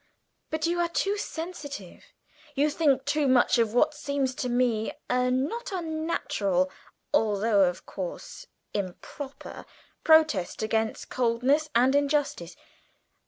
But you are too sensitive; you think too much of what seems to me a not unnatural (although of course improper) protest against coldness and injustice.